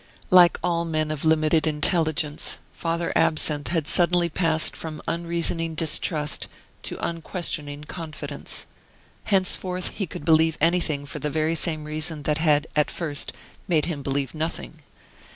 Like all men of limited intelligence, Father Absinthe had suddenly passed from unreasoning distrust to unquestioning confidence. Henceforth, he could believe anything for the very same reason that had, at first, made him believe nothing.